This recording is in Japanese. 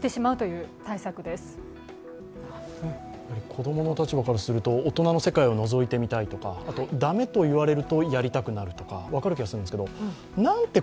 子供の立場からすると、大人の世界をのぞいてみたいとか、駄目と言われるとやりたくなるとか分かりやすいんですけど、なんて